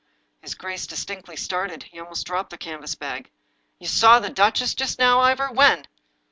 His gjace distinctly started. He almost dropped the canvas bag. " You saw the duchess just now, Ivor ! When